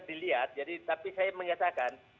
dilihat tapi saya menyatakan